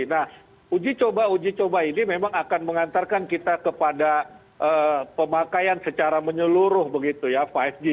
nah uji coba uji coba ini memang akan mengantarkan kita kepada pemakaian secara menyeluruh begitu ya lima g